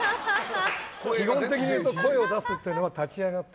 基本的に声を出すというのは立ち上がって。